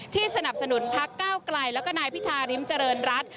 สนับสนุนพักเก้าไกลแล้วก็นายพิธาริมเจริญรัฐ